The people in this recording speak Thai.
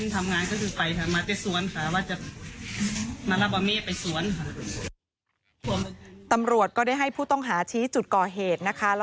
ตำรวจก็ได้ให้ผู้ต้องหาชี้จุดก่อเหตุนะคะ